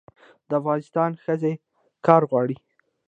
د افغانستان ښځې کار غواړي